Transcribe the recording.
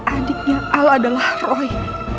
adiknya al adalah roy